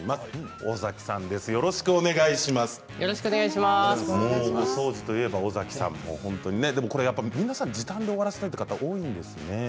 大掃除といえば、尾崎さん皆さん、時短で終わらせたいという方、多いんですね。